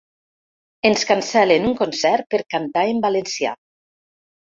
Ens cancel·len un concert per cantar en valencià.